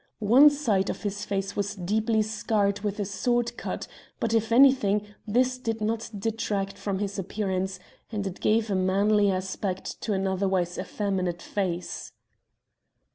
One side of his face was deeply scarred with a sword cut, but, if anything, this did not detract from his appearance, and it gave a manly aspect to an otherwise effeminate face."